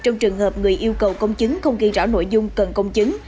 trong trường hợp người yêu cầu công chứng không ghi rõ nội dung cần công chứng